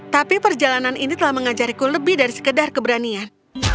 tapi perjalanan ini telah mengajariku lebih dari sekedar keberanian